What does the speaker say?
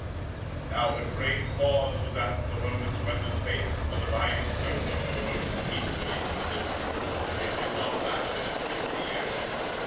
Now, the great pause was at the moment when the space and the dividing stone work were both equally considered. It did not last fifty years.